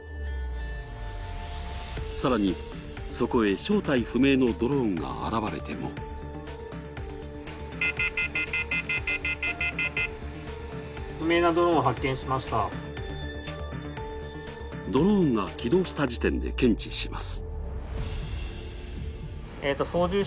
更に、そこへ正体不明のドローンが現れてもドローンが起動した時点で検知します。